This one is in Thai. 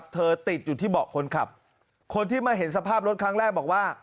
ติดอยู่ที่เบาะคนขับคนที่มาเห็นสภาพรถครั้งแรกบอกว่า